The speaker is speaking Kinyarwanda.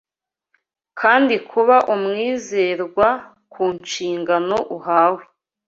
kandi kuba umwizerwa ku nshingano uhawe